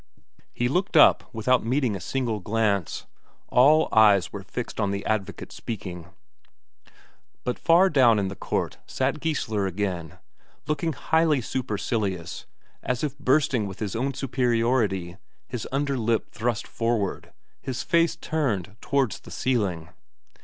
He looked up without meeting a single glance; all eyes were fixed on the advocate speaking. But far down in the court sat Geissler again, looking highly supercilious, as if bursting with his own superiority, his under lip thrust forward, his face turned towards the ceiling.